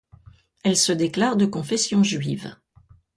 Elle se déclare de confession juive.